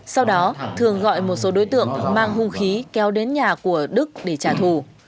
sau đó thường gọi một số đối tượng mang hung khí kéo đến nhà của đức để trả thù